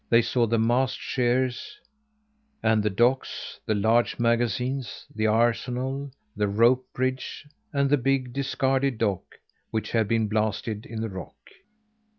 They saw the mast sheers and the docks; the large magazines, the arsenal, the rope bridge and the big discarded dock, which had been blasted in the rock.